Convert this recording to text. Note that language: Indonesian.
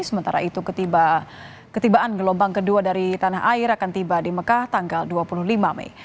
sementara itu ketibaan gelombang kedua dari tanah air akan tiba di mekah tanggal dua puluh lima mei